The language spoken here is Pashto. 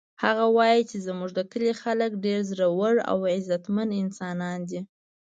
هغه وایي چې زموږ د کلي خلک ډېر زړور او غیرتمن انسانان دي